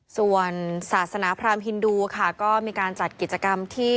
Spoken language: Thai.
ส่วนศาสนาพรามฮินดูค่ะก็มีการจัดกิจกรรมที่